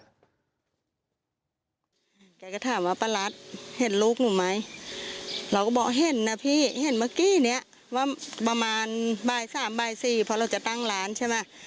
แกก็ถามว่าป้ารัสเห็นลูกหนูไหมเราก็บอกเห็นนะพี่เห็นเมื่อกี้เนี้ยว่าประมาณบ่ายสามบ่ายสี่เพราะเราจะตั้งร้านใช่ไหม